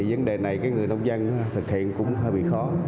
vấn đề này người nông dân thực hiện cũng hơi bị khó